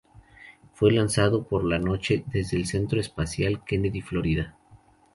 Fue lanzado por la noche desde el Centro Espacial Kennedy, Florida.